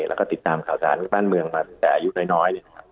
แล้วก็ติดตามข่าวสารบ้านเมืองมาแต่อายุน้อย